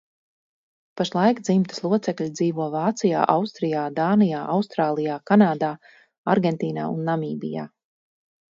Pašlaik dzimtas locekļi dzīvo Vācijā, Austrijā, Danijā, Austrālijā, Kanādā, Argentīnā un Namībijā.